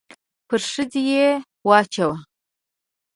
پر ښځې يې واچاوه.